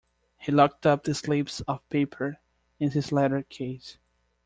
He locked up the slips of paper in his letter case.